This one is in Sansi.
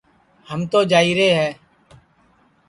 ہم تو جائیرے ہے